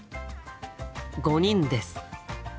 ５人です。